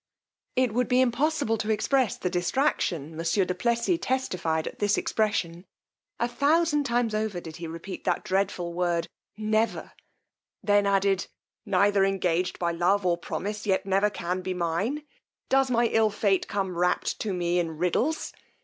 It would be impossible to express the distraction monsieur du Plessis testified at this expression: a thousand times over did he repeat that dreadful word NEVER; then added, neither engaged by love or promise, yet never can be mine! does my ill fate come wrap'd to me in riddles!